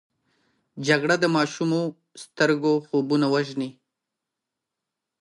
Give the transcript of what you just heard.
جګړه د ماشومو سترګو خوبونه وژني